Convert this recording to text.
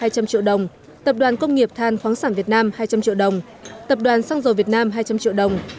hai trăm linh triệu đồng tập đoàn công nghiệp than khoáng sản việt nam hai trăm linh triệu đồng tập đoàn xăng dầu việt nam hai trăm linh triệu đồng